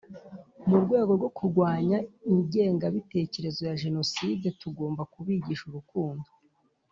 mu rwego rwo kurwanya igenga bitekerezoya jenoside tugomba kubigisha urukundo